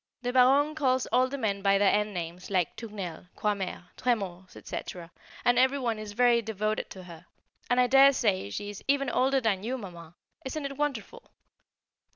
The Baronne calls all the men by their end names like "Tournelle," "Croixmare," "Trémors," &c., and every one is very devoted to her, and I daresay she is even older than you, mamma; isn't it wonderful?